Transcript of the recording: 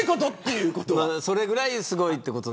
それぐらいすごいということ。